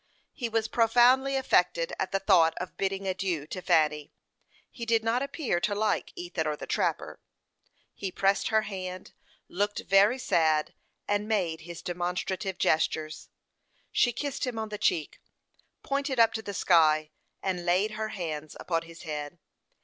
He was profoundly affected at the thought of bidding adieu to Fanny; he did not appear to like Ethan or the trapper. He pressed her hand, looked very sad, and made his demonstrative gestures. She kissed him on the cheek, pointed up to the sky, and laid her hands upon his head.